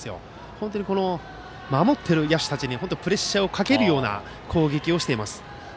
本当に守っている野手たちにプレッシャーをかけるような攻撃をしています。